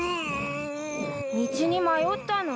道に迷ったの？